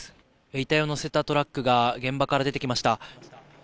遺体を乗せたトラックが、現場から出てきました。